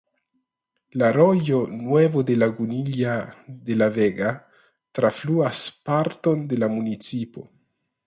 La rojo "Nuevo de Lagunilla de la Vega" trafluas parton de la municipo.